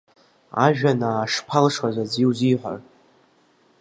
Ажәанаа шԥалшоз аӡәы иузиҳәар.